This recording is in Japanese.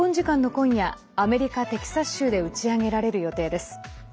今夜アメリカ・テキサス州で打ち上げられる予定です。